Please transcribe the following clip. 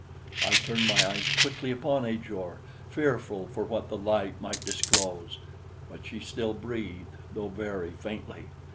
I turned my eyes quickly upon Ajor, fearful for what the light might disclose; but she still breathed, though very faintly.